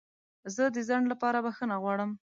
زه د ځنډ لپاره بخښنه غواړم.